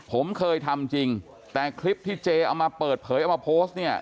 ผมเคยทำจริงแต่คลิปที่เจเอามาเปิดเผยเอามาโพสต์เนี่ย